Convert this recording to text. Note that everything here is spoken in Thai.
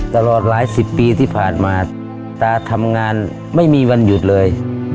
ตลอดหลายสิบปีที่ผ่านมาตาทำงานไม่มีวันหยุดเลย